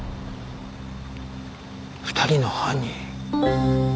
２人の犯人。